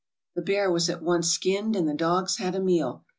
The bear was at once skinned, and the dogs had a meal.